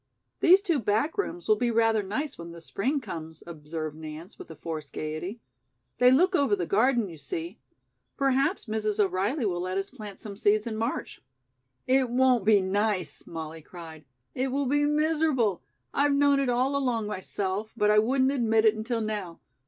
"These two back rooms will be rather nice when the spring comes," observed Nance, with a forced gaiety. "They look over the garden, you see. Perhaps Mrs. O'Reilly will let us plant some seeds in March." "It won't be nice," Molly cried. "It will be miserable. I've known it all along myself, but I wouldn't admit it until now.